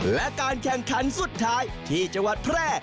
และการแข่งขันสุดท้ายที่จังหวัดแพร่